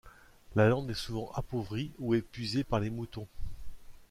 La lande est souvent appauvrie ou épuisée par les moutons.